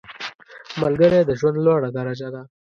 ملګری د ژوند لوړه درجه ده